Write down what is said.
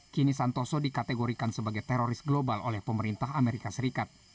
kini santoso dikategorikan sebagai teroris global oleh pemerintah amerika serikat